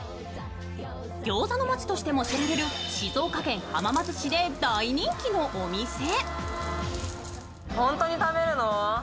餃子の街としても知られる静岡県浜松市で大人気のお店。